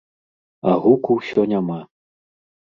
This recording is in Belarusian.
А гуку ўсё няма.